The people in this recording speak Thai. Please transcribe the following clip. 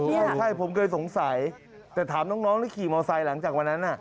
ใช่ผมเคยสงสัยแต่ถามน้องที่ขี่มอไซค์หลังจากวันนั้น